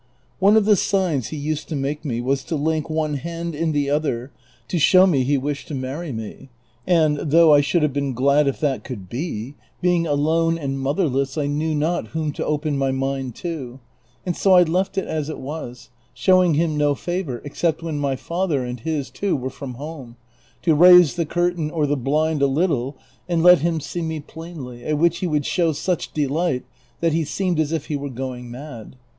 One of the signs he used to make me was to link one hand in the other, to sIioav me he wished to marry me ; and, though I should have been glad if that could be, » Prov. 190. CHAPTER XLIII. 369 being alone and motherless I knew not whom to ojjcn my mind to, and so I left it as it was, showing him no favor, ex cept when my father, and his too, were from home, to raise the curtain or the blind a little and let him see me })lainly. at which he would show such delight that he seemed as if he were going mad.